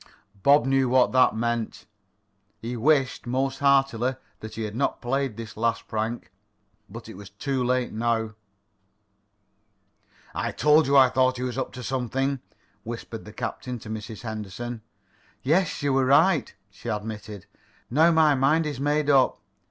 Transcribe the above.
Bob knew what that meant. He wished, most heartily, that he had not played this last prank. But it was too late now. "I told you I thought he was up to something," whispered the captain to Mrs. Henderson. "Yes, you were right," she admitted. "Now my mind is made up.